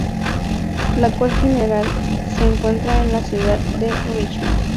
El cuartel general se encuentra en la ciudad de Richmond.